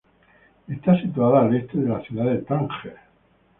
Está situada al este de la ciudad de Tánger.